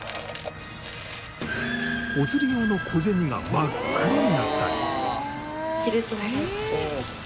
お釣り用の小銭が真っ黒になったり。